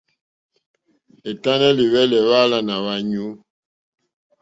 È tánɛ́ lìhwɛ́lɛ́ hwáàlánà hwáɲú.